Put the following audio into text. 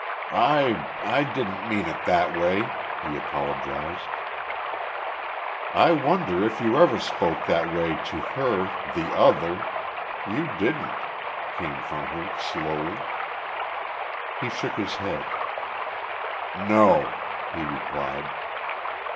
"I I didn't mean it that way," he apologized. "I wonder if you ever spoke that way to her the other.... You didn't," came from her slowly. He shook his head. "No," he replied.